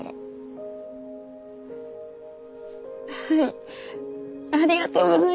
ありがとうございます。